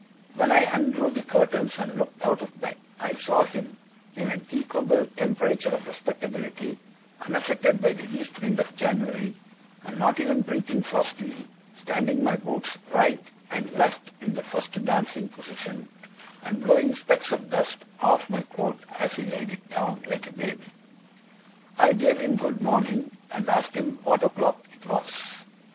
When I undrew the curtains and looked out of bed, I saw him, in an equable temperature of respectability, unaffected by the east wind of January, and not even breathing frostily, standing my boots right and left in the first dancing position, and blowing specks of dust off my coat as he laid it down like a baby. I gave him good morning, and asked him what o'clock it was.